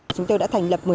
chúng tôi đã thành lập